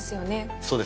そうですね。